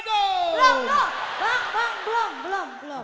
bang bang belum belum belum